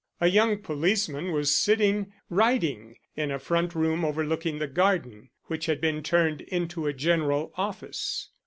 A young policeman was sitting writing in a front room overlooking the garden, which had been turned into a general office.